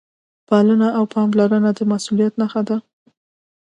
پالنه او پاملرنه د مسؤلیت نښه ده.